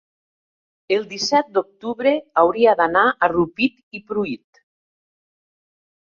el disset d'octubre hauria d'anar a Rupit i Pruit.